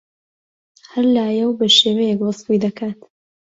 هەر لایەو بەشێوەیەک وەسفی دەکات